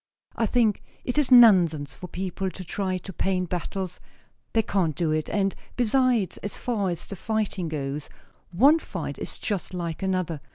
I think it is nonsense for people to try to paint battles; they can't do it; and, besides, as far as the fighting goes, one fight is just like another.